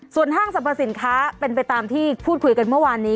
ส่วนห้างสรรพสินค้าเป็นไปตามที่พูดคุยกันเมื่อวานนี้